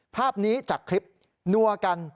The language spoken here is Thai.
ภาพนี้จากคลิปนัวกัน